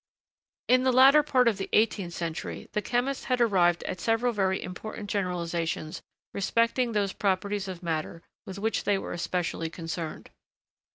] In the latter part of the eighteenth century, the chemists had arrived at several very important generalisations respecting those properties of matter with which they were especially concerned.